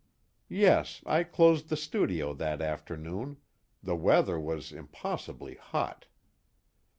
"Yes. I closed the studio that afternoon the weather was impossibly hot.